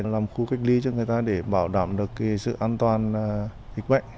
làm khu cách ly cho người ta để bảo đảm được sự an toàn dịch bệnh